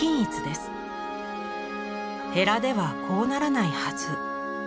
ヘラではこうならないはず。